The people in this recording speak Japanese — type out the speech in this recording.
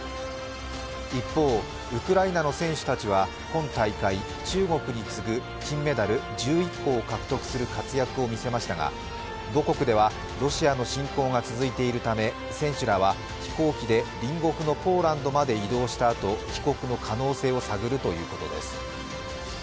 一方、ウクライナの選手たちは今大会、中国に次ぐ金メダル１１個を獲得する活躍を見せましたが、母国ではロシアの侵攻が続いているため、選手らは飛行機で隣国のポーランドまで移動したあと帰国の可能性を探るということです。